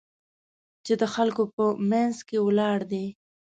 چې د خلکو په منځ کې ولاړ دی.